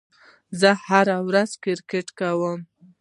زه هره ورځ کرېکټ کوم.